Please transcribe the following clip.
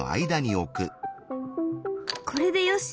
これでよし。